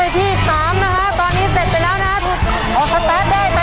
ได้แล้ว